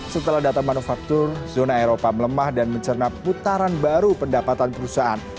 setelah data manufaktur zona eropa melemah dan mencerna putaran baru pendapatan perusahaan